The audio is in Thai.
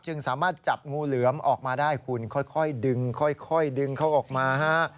จึงสามารถจับงูเหลือมออกมาได้คุณค่อยดึงเข้าออกมา